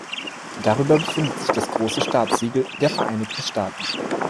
Darüber befindet sich das Große Staatssiegel der Vereinigten Staaten.